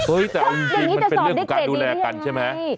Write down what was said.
โอ๊ยแต่จริงมันเป็นเรื่องการดูแลกันใช่ไหม